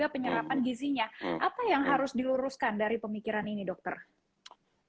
penyerapan gizinya apa yang harus diuruskan dari pemikiran ini warni hashtaf